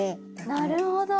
なるほど。